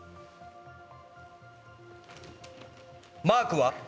マークは？